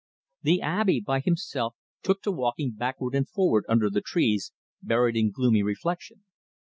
The Abby, by himself, took to walking backward and forward under the trees, buried in gloomy reflection.